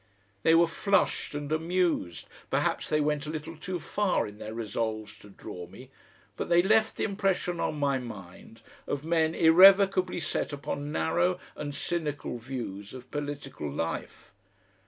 They were flushed and amused, perhaps they went a little too far in their resolves to draw me, but they left the impression on my mind of men irrevocably set upon narrow and cynical views of political life.